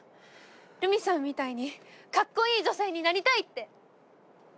ルミさんみたいにカッコイイ女性になりたいって。